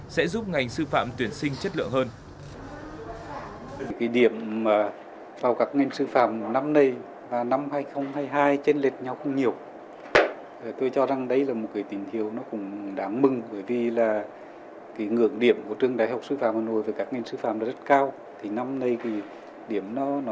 sẽ giúp ngành sư phạm tuyển sinh chất lượng hơn